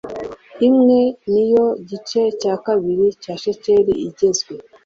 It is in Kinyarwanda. imwe ni yo gice cya kabiri cya shekeli igezwe